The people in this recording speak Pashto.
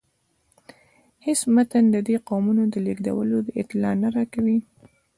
هیڅ متن د دې قومونو د لیږدیدلو اطلاع نه راکوي.